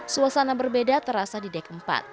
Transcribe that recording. suasana berbeda terasa di dek empat